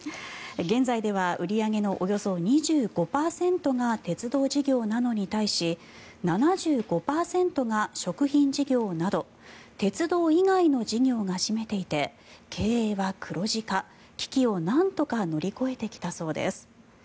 現在では売り上げのおよそ２５％が鉄道事業なのに対し７５％が食品事業など鉄道以外の事業が占めていて経営は黒字化危機をなんとか乗り越えてきたそうです。